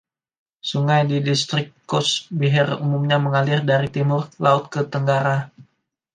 Sungai di distrik Cooch Behar umumnya mengalir dari timur laut ke tenggara.